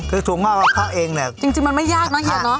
คือถั่วงอกกับพ่อเองเนี้ยจริงจริงมันไม่ยากเนอะเฮียเนอะ